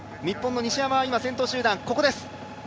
日本の西山は今、先頭集団、ここです。